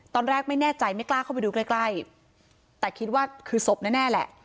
ตอนแรกไม่แน่ใจไม่กล้าเข้าไปดูใกล้ใกล้แต่คิดว่าคือศพแน่แหละ